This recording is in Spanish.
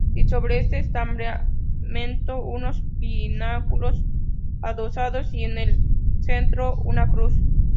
Y sobre este entablamento, unos pináculos adosados y en el centro una cruz.